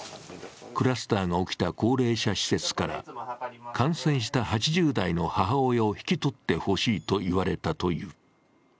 クラスターが起きた高齢者施設から感染した８０代の母親を引き取ってほしいと言われたという。